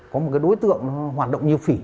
có một đối tượng hoạt động như phỉ